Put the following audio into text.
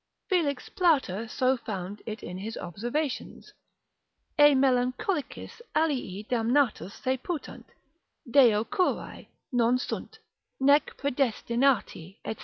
Felix Plater so found it in his observations, e melancholicis alii damnatos se putant, Deo curae, non sunt, nec praedestinati, &c.